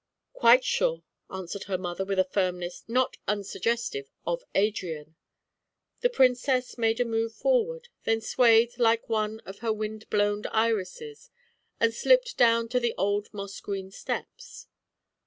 "Quite sure," answered her mother, with a firmness not unsuggestive of Adrian. The princess made a move forward, then swayed like one of her wind blown irises and slipped down to the old moss green steps.